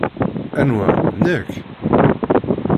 Anwa? Nek?